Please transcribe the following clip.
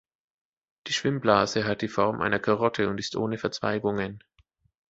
Die Schwimmblase hat die Form einer Karotte und ist ohne Verzweigungen.